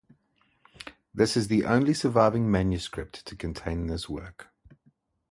This is the only surviving manuscript to contain this work.